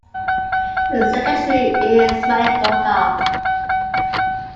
Its secretary is Manik Dutta.